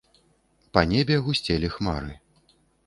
Па небе гусцелі хмары.